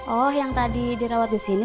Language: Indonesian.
oh yang tadi dirawat disini